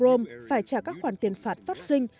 tòa án buộc gazprom phải trả các khoản tiền phạt phát sinh